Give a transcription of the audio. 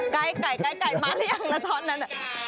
ไก่มารึยังละท้อนนั้น